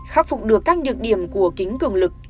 khắc phục được các nhược điểm của kính cường lực